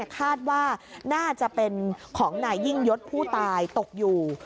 คาดว่าน่าจะเป็นของนายยิ่งยศผู้ตายตกอยู่